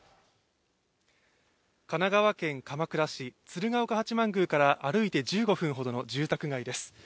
神奈川県鎌倉市、鶴岡八幡宮から歩いて１５分ほどの住宅街です。